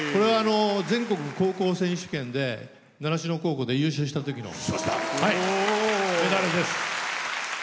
全国高校選手権で習志野高校で優勝したときのメダルです。